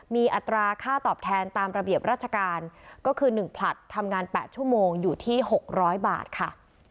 มีอัตราค่าตอบแทนตามระเบียบราชการก็คือ๑ผลัดทำงาน๘ชั่วโมงอยู่ที่๖๐๐บาทค่ะ